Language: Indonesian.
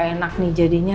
aduh gak enak nih jadinya